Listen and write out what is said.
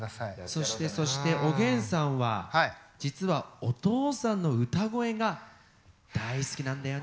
そしてそしておげんさんは実はお父さんの歌声が大好きなんだよね。